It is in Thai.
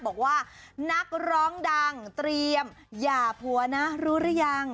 บอกว่านักร้องดังเตรียมหย่าผัวนะรู้หรือยัง